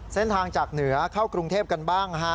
เส้นทางจากเหนือเข้ากรุงเทพกันบ้างนะฮะ